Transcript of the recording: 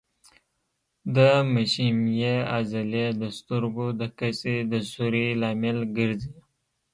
د مشیمیې عضلې د سترګو د کسي د سوري لامل ګرځي.